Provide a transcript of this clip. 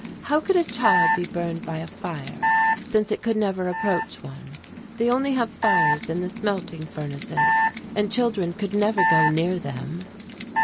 "How could a child be burned by a fire since it could never approach one. They only have fires in the smelting furnaces, and children could never go near them."